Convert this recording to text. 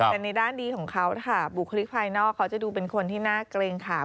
แต่ในด้านดีของเขาค่ะบุคลิกภายนอกเขาจะดูเป็นคนที่น่าเกรงขาบ